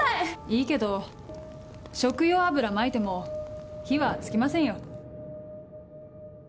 いいけど食用油まいても火は付きませんよ。